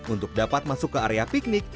untuk dapat masuk ke area piknik